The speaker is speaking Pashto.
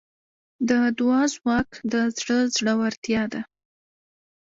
د دعا ځواک د زړه زړورتیا ده.